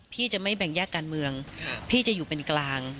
พี่จะไม่แบ่งแยกการเมืองพี่จะอยู่เป็นกลาง